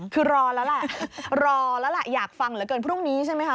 คือรอแล้วแหละรอแล้วล่ะอยากฟังเหลือเกินพรุ่งนี้ใช่ไหมคะ